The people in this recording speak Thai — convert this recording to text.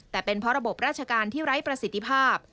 แต่เป็นเพราะระบบราชการที่ไร้ประสิทธิภาพ